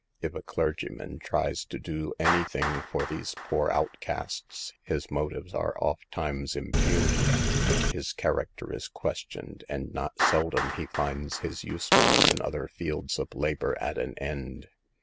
If a clergyman tries to do anything for these poor outcasts, his motives are ofttimes impugned, his char acter is questioned, and not seldom he finds his usefulness in other fields of labor at an end.